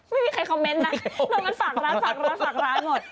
ไม่มีใครคอมเม้นต์นะตรงนั้นฝากร้านหมด